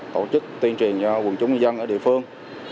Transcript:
tổ chức tuyên truyền cho quần chúng nhân dân ở địa phương